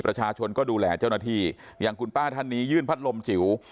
ประชาชนก็ดูแลเจ้าหน้าที่อย่างคุณป้าท่านนี้ยื่นพัดลมจิ๋ว